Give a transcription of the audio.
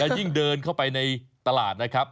ยิ่งเดินเข้าไปในตลาดนะครับ